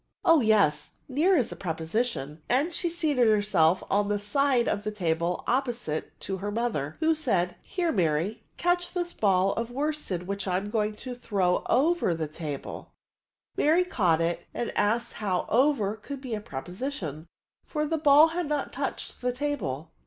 ^* Oh yes ; near is a preposition :'' and she seated herself on the side of the table oppo site to her mother, who said, " Here, Mary, catch this ball of worsted which I am going to throw over the table," PREPOSITIOHS. 93 Maxy caught it^ and asked how ov&r could be a prepositiouj for the ball had not touched the table.